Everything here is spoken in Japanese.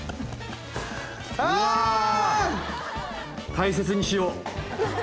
大切にしよう。